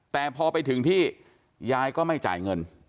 แต่พอไปถึงที่ยายก็ไม่จ่ายเงิน